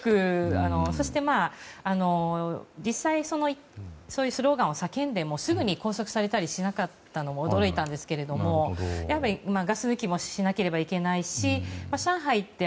そして、実際スローガンを叫んでもすぐに拘束されたりしなかったのが驚いたんですが、やっぱりガス抜きもしなければいけないし上海って